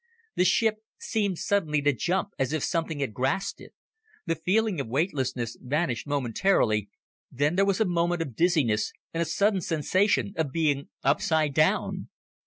The ship seemed suddenly to jump as if something had grasped it. The feeling of weightlessness vanished momentarily, then there was a moment of dizziness and a sudden sensation of being upside down.